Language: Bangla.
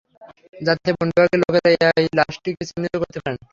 যাতে বন বিভাগের লোকেরা এই লাশটিকে চিহ্নিত করতে পারেন।